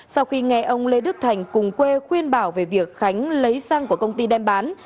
sau khi nghe ông lê đức thành cùng quê khuyên bảo về việc khánh lấy sang của công ty đem bán